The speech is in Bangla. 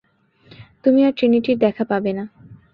তুমি আর ট্রিনিটির দেখা পাবে না!